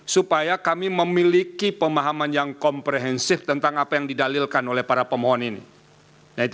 supaya kami memiliki pemahaman yang komprehensif tentang apa yang didalilkan oleh para pemohon ini